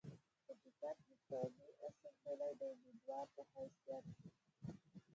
پۀ ټکټ د قامي اسمبلۍ د اميدوار پۀ حېثيت